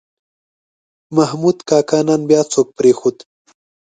محمود کاکا نن بیا څوک پرېښود.